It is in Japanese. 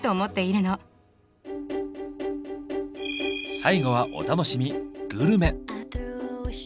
最後はお楽しみ「グルメ」。